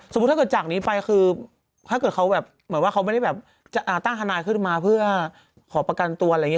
ถ้าเกิดจากนี้ไปคือถ้าเกิดเขาแบบเหมือนว่าเขาไม่ได้แบบจะตั้งทนายขึ้นมาเพื่อขอประกันตัวอะไรอย่างนี้